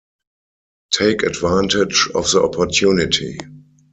Take advantage of the opportunity.